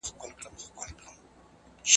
زده کړه عمر او وخت نه غواړي.